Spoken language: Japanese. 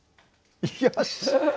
よし！